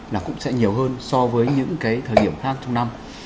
là cũng sẽ nhiều hơn so với những cái thời điểm khác trong năm